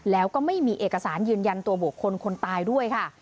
แล้วก็ไม่มีเอกสารยืนยันตัวบุคคลคนตายด้วยค่ะ